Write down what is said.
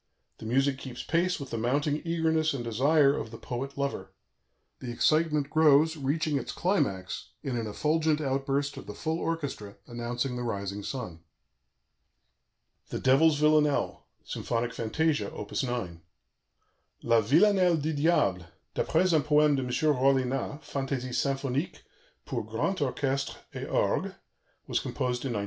The music keeps pace with the mounting eagerness and desire of the poet lover; the excitement grows, reaching its climax in an effulgent outburst of the full orchestra, announcing the rising sun. "THE DEVIL'S VILLANELLE," SYMPHONIC FANTASIA: Op. 9 _La Villanelle du Diable, d'après un poème de M. Rollinat, Fantasie symphonique, pour grand orchestre__et orgue_, was composed in 1901.